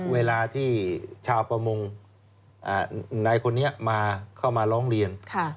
เวลาที่ชาวประมงนายคนนี้มาเข้ามาร้องเรียน